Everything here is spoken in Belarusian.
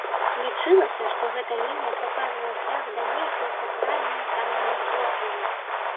Лічылася, што гэта лінія паказвае шлях да нейкай сакральнай тайны ордэну.